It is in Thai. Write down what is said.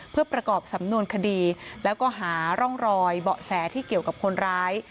เพื่อประกอบสำนวนคดีแล้วก็หาร่องรอยเบาะแสที่เกี่ยวกับคนร้าย